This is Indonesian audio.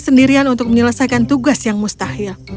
sendirian untuk menyelesaikan tugas yang mustahil